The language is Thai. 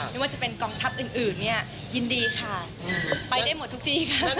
ไม่ว่าจะเป็นกองทัพอื่นเนี่ยยินดีค่ะไปได้หมดทุกที่ค่ะ